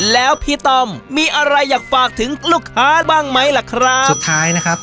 แล้วพี่ต้อมมีอะไรอยากฝากถึงลูกค้าบ้างไหมล่ะครับสุดท้ายนะครับ